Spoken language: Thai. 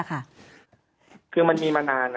คือมันมีมานาน